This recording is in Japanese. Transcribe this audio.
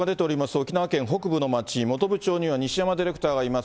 沖縄県北部の町、本部町には西山ディレクターがいます。